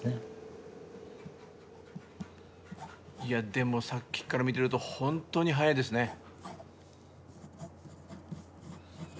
いやでもさっきから見てると本当に速いですね。